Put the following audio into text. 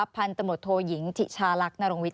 พันธมตโทหยิงถิชาลักนรงวิท